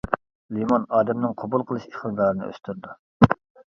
لىمون ئادەمنىڭ قوبۇل قىلىش ئىقتىدارىنى ئۆستۈرىدۇ.